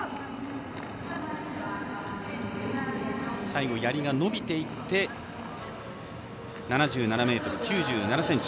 最後、やりが伸びていって７７ｍ９７ｃｍ。